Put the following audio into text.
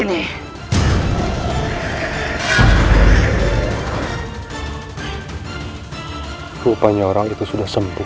rupanya orang itu sudah sembuh